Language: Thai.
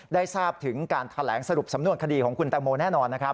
ได้ทราบถึงการแถลงสรุปสำนวนคดีของคุณแตงโมแน่นอนนะครับ